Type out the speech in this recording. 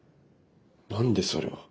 何でそれを？